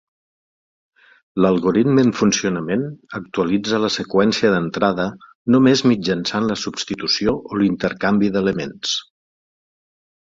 L'algoritme en funcionament actualitza la seqüència d'entrada només mitjançant la substitució o l'intercanvi d'elements.